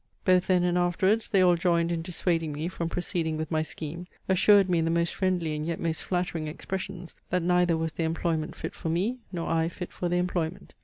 Both then and afterwards they all joined in dissuading me from proceeding with my scheme; assured me in the most friendly and yet most flattering expressions, that neither was the employment fit for me, nor I fit for the employment.